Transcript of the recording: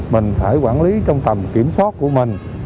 mình phải quản lý trong tầm kiểm soát của mình